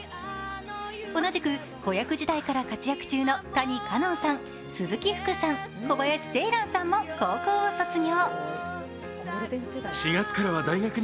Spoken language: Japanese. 同じく子役時代から活躍中の谷花音さん、鈴木福さん小林星蘭さんも高校を卒業。